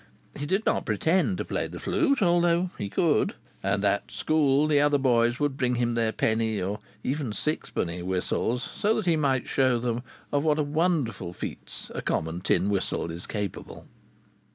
He did not pretend to play the flute, though he could. And at school the other boys would bring him their penny or even sixpenny whistles so that he might show them of what wonderful feats a common tin whistle is capable.